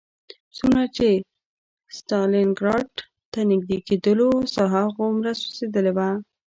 څومره چې ستالینګراډ ته نږدې کېدلو ساحه هغومره سوځېدلې وه